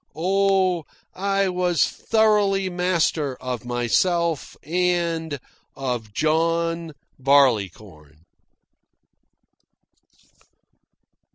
Oh, I was thoroughly master of myself, and of John Barleycorn.